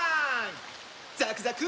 ザクザク！